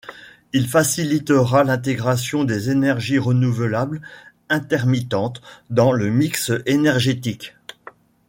Il facilitera l'intégration des énergies renouvelables intermittentes dans le mix énergétique.